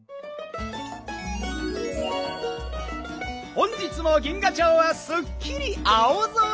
本日も銀河町はすっきり青空！